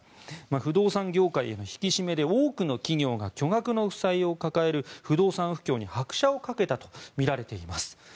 不動産業界への引き締めで多くの企業が巨額の負債を抱える不動産不況に拍車をかけたとみられています。